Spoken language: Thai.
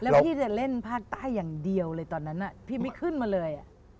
แล้วพี่จะเล่นภาคใต้อย่างเดียวเลยตอนนั้นพี่ไม่ขึ้นมาเลย